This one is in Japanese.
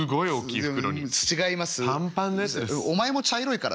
お前も茶色いからな。